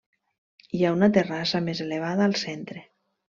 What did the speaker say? Hi ha una terrassa més elevada al centre.